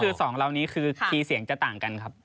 คือสองเหล่านี้คือคีย์เสียงจะต่างกันครับ